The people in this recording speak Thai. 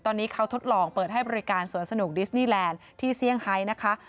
ตอนนี้เขาทดลองเปิดให้บริการสวนสนุกดิสนีแลนด์ที่เซี่ยงไฮนะคะ